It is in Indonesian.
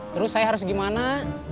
terus saya harus gimana